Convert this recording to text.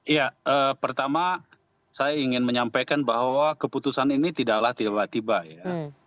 ya pertama saya ingin menyampaikan bahwa keputusan ini tidaklah tiba tiba ya